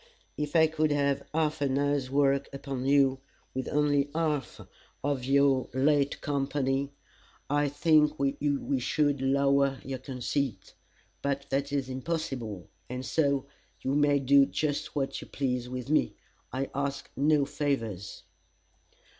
If I could have half an hour's work upon you, with only half of our late company, I think we should lower your conceit. But that is impossible, and so you may do just what you please with me. I ask no favors."